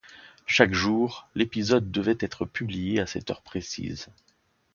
Chaque jour, l’épisode devait être publié à cette heure précise.